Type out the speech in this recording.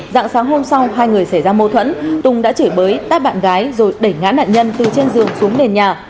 dạng sáng hôm sau hai người xảy ra mâu thuẫn tùng đã chửi bới tát bạn gái rồi đẩy ngã nạn nhân từ trên giường xuống nền nhà